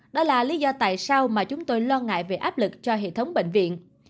đó là lý do tại sao mà chúng tôi lo ngại về áp lực cho hệ thống bệnh viện